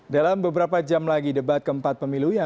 dalam beberapa jam lagi debat keempat pemilu yang